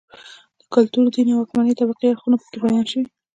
د کلتور، دین او واکمنې طبقې اړخونه په کې بیان شوي